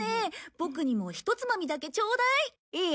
ボクにもひとつまみだけちょうだい。